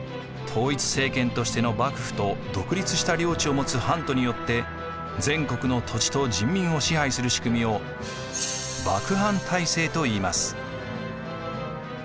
統一政権としての幕府と独立した領地を持つ藩とによって全国の土地と人民を支配する仕組みを幕藩体制といいます。